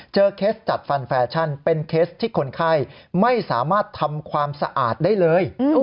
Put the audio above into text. เคสจัดฟันแฟชั่นเป็นเคสที่คนไข้ไม่สามารถทำความสะอาดได้เลย